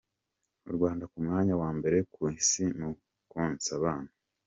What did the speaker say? U Rwanda ku mwanya wa mbere ku isi mu konsa abana